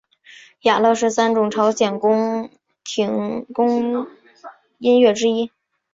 雅乐是三种朝鲜宫廷音乐之一。